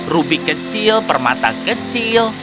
rubik kecil permata kecil